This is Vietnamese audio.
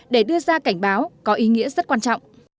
để đưa ra cảnh báo có ý nghĩa rất quan trọng